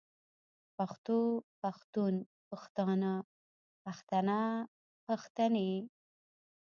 پښتو پښتون پښتانۀ پښتنه پښتنې